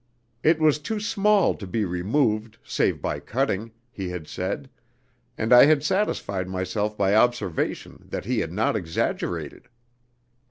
It was too small to be removed save by cutting, he had said, and I had satisfied myself by observation that he had not exaggerated.